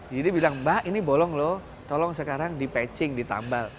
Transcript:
jadi bilang mbak ini bolong loh tolong sekarang di patching di tambal